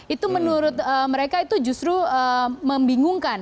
itu menurut mereka itu justru membingungkan